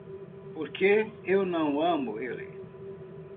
Porque eu não amo ele.